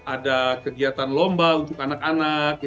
ada kegiatan lomba untuk anak anak gitu ya